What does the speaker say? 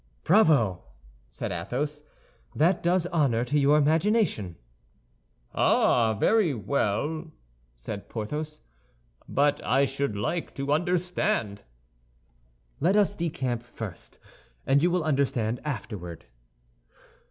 "Bravo!" said Athos; "that does honor to your imagination." "All very well," said Porthos, "but I should like to understand." "Let us decamp first, and you will understand afterward."